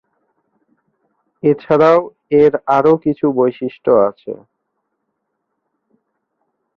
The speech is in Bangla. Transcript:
এছারাও এর আরও কিছু বৈশিষ্ট্য আছে।